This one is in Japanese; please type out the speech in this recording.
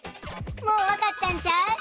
もうわかったんちゃう？